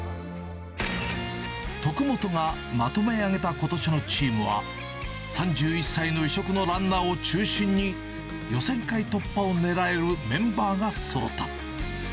徳本がまとめ上げたことしのチームは、３１歳の異色のランナーを中心に、予選会突破を狙えるメンバーがそろった。